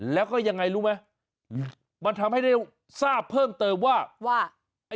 แล้วก็ยังไงรู้ไหมมันทำให้ได้ทราบเพิ่มเติมว่าว่า